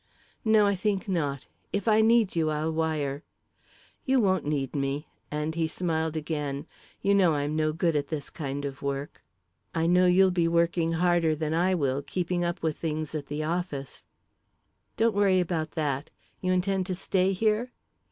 "No, I think not. If I need you, I'll wire." "You won't need me," and he smiled again. "You know I'm no good at this kind of work." "I know you'll be working harder than I will, keeping up with things at the office." "Don't worry about that. You intend to stay here?"